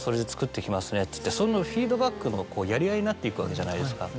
そのフィードバックのやり合いになっていくわけじゃないですか。